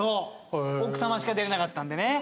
奥さましか出れなかったんでね。